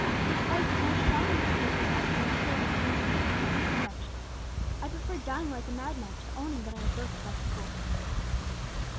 His voice was more strong in this guilty heart than the appeals of reason, conscience, and affection. I preferred dying like a madman, to owning that I had boasted like a fool!"